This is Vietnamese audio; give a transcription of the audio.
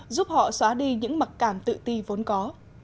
giúp họ xóa đi những mặc cảm tự ti vốn có